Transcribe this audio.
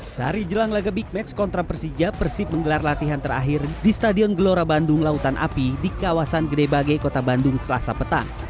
sehari jelang laga big max kontra persija persib menggelar latihan terakhir di stadion gelora bandung lautan api di kawasan gede bage kota bandung selasa petang